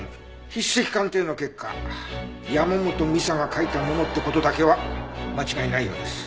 筆跡鑑定の結果山本ミサが書いたものって事だけは間違いないようです。